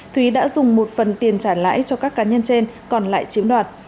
thúy đã dùng một phần tiền trả lãi cho các cá nhân trên còn lại chiếm đoạt